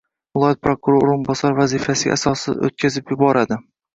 viloyat prokurori o‘rinbosari vazifasiga asossiz o‘tkazib yuboradi.